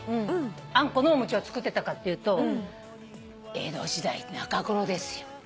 あんこのお餅を作ってたかって言うと江戸時代中頃ですよ。